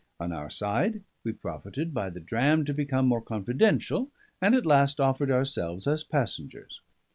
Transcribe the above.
On our side, we profited by the dram to become more confidential, and at last offered ourselves as passengers.